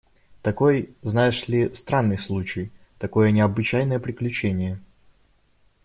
– Такой, знаешь ли, странный случай, такое необычайное приключение!